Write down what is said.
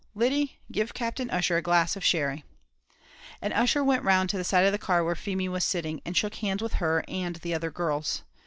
Lyddy, give Captain Ussher a glass of sherry." And Ussher went round to the side of the car where Feemy was sitting, and shook hands with her and the other girls.